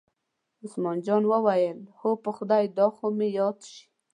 عثمان جان وویل: هو په خدای دا خو مې یاد شي.